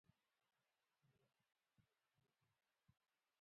په افغانستان کې زراعت ډېر اهمیت لري.